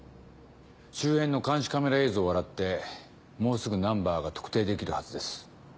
周辺の監視カメラ映像を洗ってもうすぐナンバーが特定できるはずです。